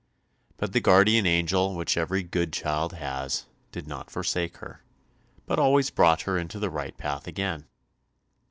But the guardian angel which every good child has, did not forsake her, but always brought her into the right path again.